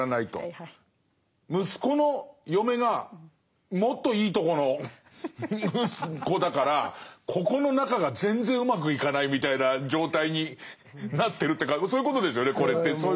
息子の嫁がもっといいとこの子だからここの仲が全然うまくいかないみたいな状態になってるっていうかそういうことですよねこれって。